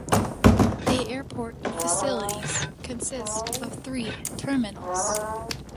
The airport facilities consist of three terminals.